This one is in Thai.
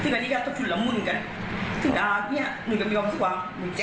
ซึ่งอันนี้ก็เถอะจุดละมุน